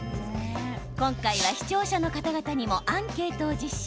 今回は視聴者の方々にもアンケートを実施。